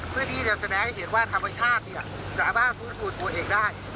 เพื่อที่จะแสดงให้เห็นว่าธรรมชาติสามารถฟื้นฟูตัวเองได้